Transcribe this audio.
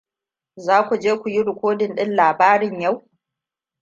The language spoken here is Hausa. Za ku je ku yi rikodin ɗin labarin yau?